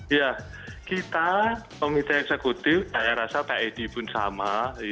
iya kita komite eksekutif saya rasa pak edi pun sama